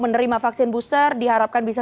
menerima vaksin booster diharapkan bisa